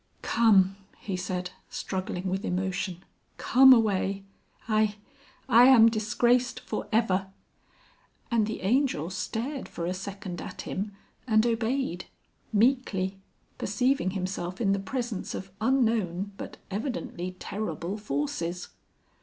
"Come," he said struggling with emotion. "Come away.... I.... I am disgraced for ever." And the Angel stared for a second at him and obeyed meekly, perceiving himself in the presence of unknown but evidently terrible forces.